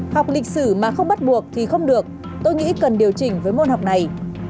học lịch sử mà không bắt buộc thì không được tôi nghĩ cần điều chỉnh với môn học này